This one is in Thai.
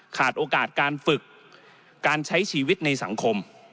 ขาดโอกาสการฝึกการใช้ชีวิตในสังคม